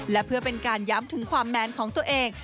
และเพื่อเป็นการย้ำถึงความแมนของตัวเอง